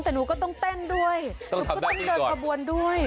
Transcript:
แต่หนูก็ต้องเดินประวัตรด้วย